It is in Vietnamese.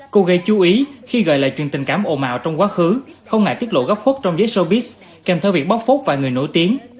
cô gây chú ý khi gợi lại truyền tình cảm ồn mào trong quá khứ không ngại tiết lộ góc khuất trong giấy showbiz kèm theo việc bóc phốt và người nổi tiếng